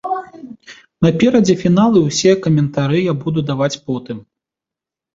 Наперадзе фінал і ўсе каментары я буду даваць потым.